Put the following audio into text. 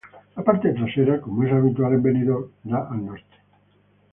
La parte trasera, como es habitual en Benidorm, da al Norte.